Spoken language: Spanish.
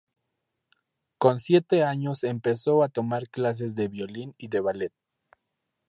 Con siete años empezó a tomar clases de violín y de ballet.